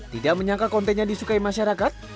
tidak menyangka kontennya disukai masyarakat